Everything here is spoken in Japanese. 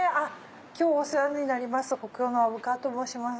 今日お世話になります